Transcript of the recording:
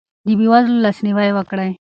د بې وزلو لاسنیوی وکړئ.